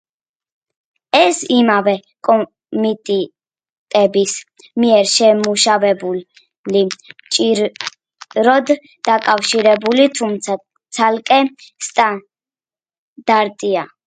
ეს იმავე კომიტეტის მიერ შემუშავებული მჭიდროდ დაკავშირებული, თუმცა ცალკე სტანდარტია.